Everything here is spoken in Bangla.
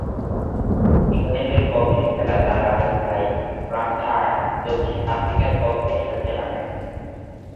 ইংল্যান্ডের পক্ষে খেলা তার আরেক ভাই ফ্রাঙ্ক হার্ন দক্ষিণ আফ্রিকার পক্ষে খেলতে নামেন।